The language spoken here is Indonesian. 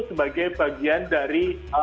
sebagai bagian dari